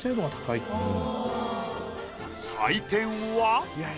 採点は。